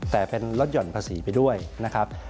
แต่เป็นลดหย่อนภาษีไปด้วยนะครับ